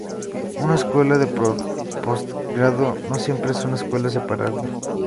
Una escuela de postgrado no siempre es una escuela separada.